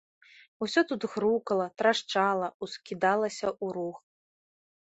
Усё тут грукала, трашчала, ускідалася ў рух.